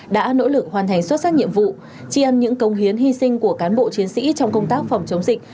đã nỗ lực hoàn thành xuất sắc nhiệm vụ tri ân những công hiến hy sinh của cán bộ chiến sĩ trong công tác phòng chống dịch